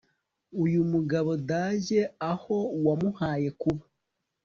uyu mugabo d ajye aho wamuhaye kuba